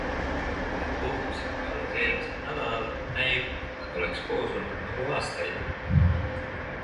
Kui nad kohtusid ka alles eelmisel nädalal - näib, et nad oleks koos olnud nagu aastaid!